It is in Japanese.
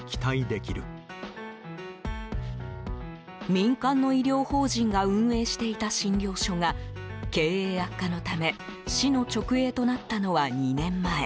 民間の医療法人が運営していた診療所が経営悪化のため市の直営となったのは２年前。